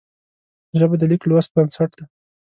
ژبه د لیک لوست بنسټ ده